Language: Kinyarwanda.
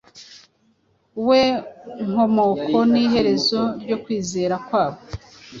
we Nkomoko n’Iherezo ryo kwizera kwabo